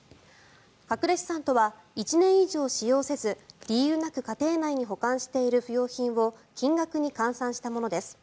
隠れ資産とは１年以上使用せず理由なく家庭内に保管している不要品を金額に換算したものです。